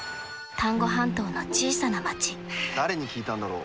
丹後半島の小さな町誰に聞いたんだろう。